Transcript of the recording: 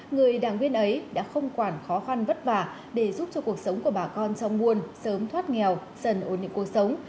người đảng viên ấy đã không quản khó khăn vất vả để giúp cho cuộc sống của bà con trong buôn sớm thoát nghèo dần ổn định cuộc sống